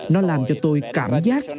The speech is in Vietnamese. nó làm cho tôi cảm giác